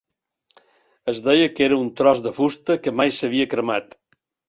Es deia que era un tros de fusta que mai s'havia cremat.